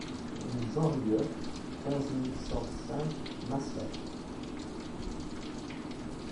Rue Jean Rieuf, quinze mille cinq cents Massiac